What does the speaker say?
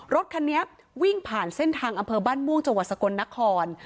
รถคันนี้วิ่งผ่านเส้นทางอำเภอบ้านม่วงจังหวัดสกลนคร